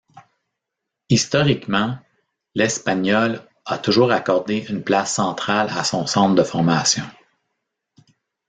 Historiquement, l'Espanyol a toujours accordé une place centrale a son centre de formation.